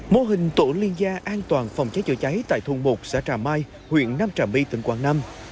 mô hình tổ liên gia an toàn phòng cháy chữa cháy tại thôn một xã trà mai huyện nam trà my tỉnh quảng nam